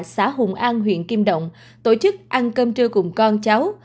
xã hùng an huyện kim động tổ chức ăn cơm trưa cùng con cháu